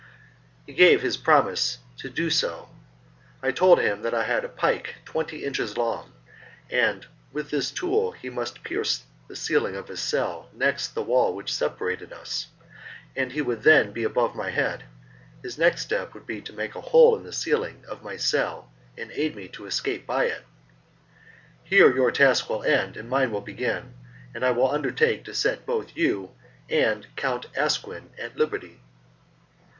He gave me his promise to do so. I told him that I had a pike twenty inches long, and with this tool he must pierce the ceiling of his cell next the wall which separated us, and he would then be above my head; his next step would be to make a hole in the ceiling of my cell and aid me to escape by it. "Here your task will end and mine will begin, and I will undertake to set both you and Count Asquin at liberty."